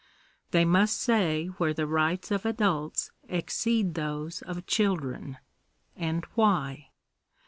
They must say where the rights of adults exceed those of children, and why.